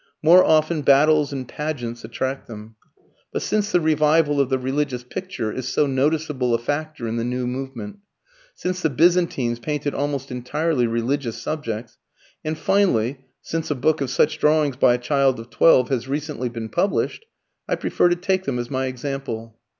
More often battles and pageants attract them. But since the revival of the religious picture is so noticeable a factor in the new movement, since the Byzantines painted almost entirely religious subjects, and finally, since a book of such drawings by a child of twelve has recently been published, I prefer to take them as my example.